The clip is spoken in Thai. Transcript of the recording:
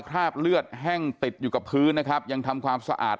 คราบเลือดแห้งติดอยู่กับพื้นนะครับยังทำความสะอาด